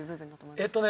えっとね